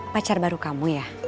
pacar baru kamu ya